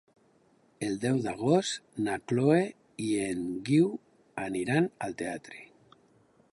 El deu d'agost na Chloé i en Guiu aniran al teatre.